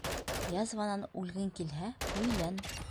Язванан үлгең килһә, өйлән!